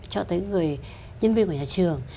cho tới người nhân viên của nhà trường